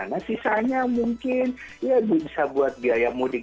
nah sisanya mungkin ya bisa buat biaya mudik